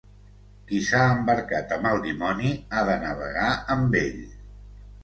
Qui s'ha embarcat amb el dimoni, ha de navegar amb ell.